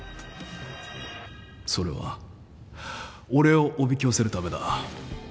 それは俺をおびき寄せるためだ。